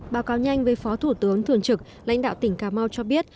báo cáo nhanh với phó thủ tướng thường trực lãnh đạo tỉnh cà mau cho biết